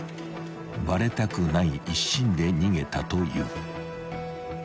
［バレたくない一心で逃げたという］